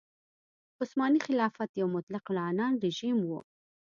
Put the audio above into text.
عثماني خلافت یو مطلق العنان رژیم و.